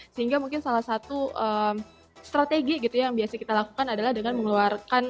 sehingga mungkin salah satu strategi gitu yang biasa kita lakukan adalah dengan mengeluarkan